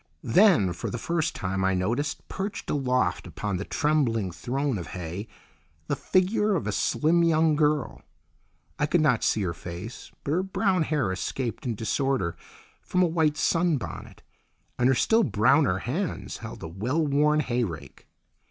Then, for the first time, I noticed, perched aloft upon the trembling throne of hay, the figure of a slim young girl. I could not see her face, but her brown hair escaped in disorder from a white sun bonnet, and her still browner hands held a well worn hay rake.